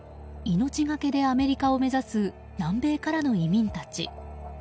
命がけでアメリカを目指す南米からの移民たち。